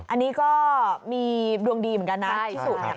อันนี้ก็มีดวงดีเหมือนกันนะพี่สุ